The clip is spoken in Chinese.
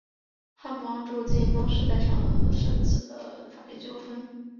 汉堡王进驻中东市场带来了更深层次的法律纠纷。